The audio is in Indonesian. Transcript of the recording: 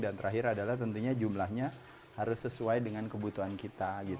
dan terakhir tentunya jumlahnya harus sesuai dengan kebutuhan kita